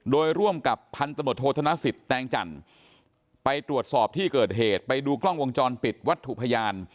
โดยร่วมกับพันธมตโทษธนสิทธิ์แตงจันทร์ไปตรวจสอบที่เกิดเหตุไปดูกล้องวงจรปิดวัตถุพยาน